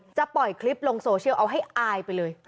ปล่อยคลิปลงโซเชียลเอาให้อายไปเลย